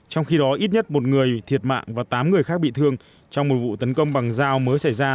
trong khi đó ít nhất một người thiệt mạng và tám người khác bị thương trong một vụ tấn công bằng dao mới xảy ra